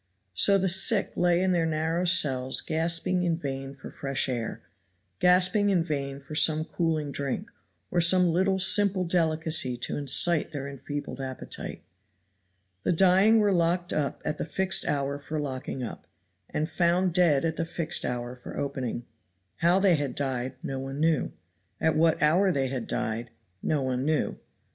So the sick lay in their narrow cells gasping in vain for fresh air, gasping in vain for some cooling drink, or some little simple delicacy to incite their enfeebled appetite. The dying were locked up at the fixed hour for locking up, and found dead at the fixed hour for opening. How they had died no one knew. At what hour they had died no one knew.